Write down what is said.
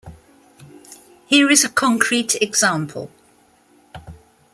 Here is a concrete example.